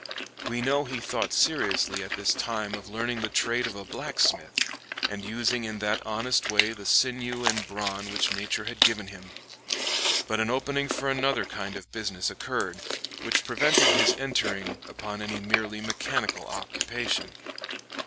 We know he thought seriously at this time of learning the trade of a blacksmith, and using in that honest way the sinew and brawn which nature had given him. But an opening for another kind of business occurred, which prevented his entering upon any merely mechanical occupation.